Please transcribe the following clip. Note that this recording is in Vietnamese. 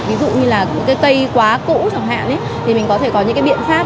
ví dụ như là cây quá cũ chẳng hạn thì mình có thể có những cái biện pháp